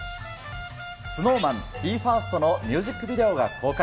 ＳｎｏｗＭａｎ、ＢＥ：ＦＩＲＳＴのミュージックビデオが公開。